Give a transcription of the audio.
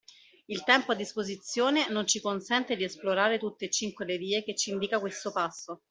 Il tempo a disposizione non ci consente di esplorare tutte e cinque le vie che ci indica questo passo.